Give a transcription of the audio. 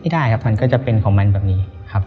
ได้ครับมันก็จะเป็นของมันแบบนี้ครับ